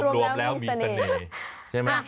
โดยรวมเรียบมีเสน่ห์